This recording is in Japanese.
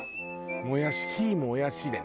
もやし非もやしでね。